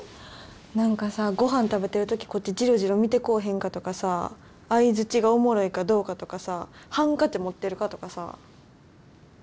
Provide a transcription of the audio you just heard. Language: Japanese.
何かさごはん食べてる時こっちジロジロ見てこうへんかとかさ相づちがおもろいかどうかとかさハンカチ持ってるかとかさ。